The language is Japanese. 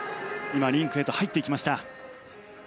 今、リンクへと入っていきました。